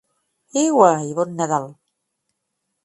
Heehaw i Bon Nadal.